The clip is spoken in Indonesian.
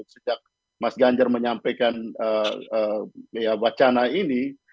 sejak mas ganjar menyampaikan wacana ini